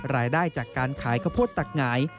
รายได้จากการขายข้าวโพดตักหงาย